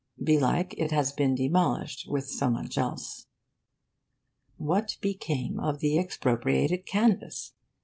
Belike it has been demolished, with so much else. What became of the expropriated canvas?